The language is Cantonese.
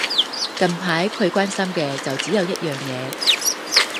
近排佢關心嘅就只有一樣嘢